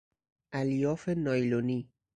الیاف نایلونی